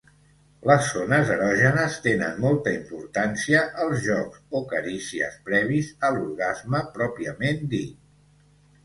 Les zones erògenes tenen molta importància als jocs, o carícies, previs a l'orgasme pròpiament dit.